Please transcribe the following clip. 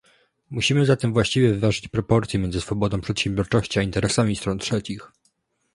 Musimy zatem właściwie wyważyć proporcje między swobodą przedsiębiorczości a interesami stron trzecich